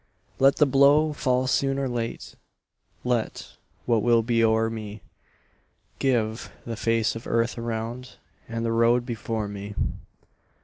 Let the blow fall soon or late, Let what will be o'er me; Give the face of earth around And the road before me.